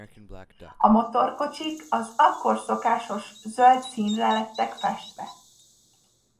A motorkocsik az akkor szokásos zöld színre lettek festve.